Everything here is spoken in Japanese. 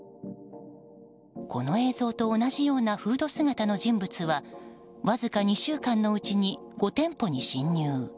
この映像と同じようなフード姿の人物はわずか２週間のうちに５店舗に侵入。